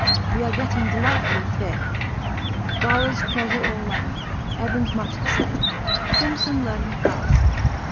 We are getting delightfully fit. Bowers treasure all round, Evans much the same. Simpson learning fast.